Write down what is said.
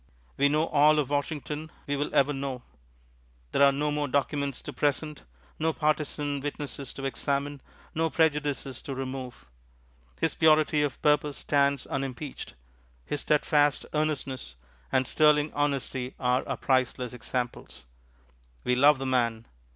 We know all of Washington we will ever know; there are no more documents to present, no partisan witnesses to examine, no prejudices to remove. His purity of purpose stands unimpeached; his steadfast earnestness and sterling honesty are our priceless examples. We love the man.